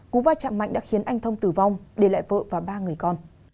cú va chạm mạnh đã khiến anh thông tử vong để lại vợ và ba người con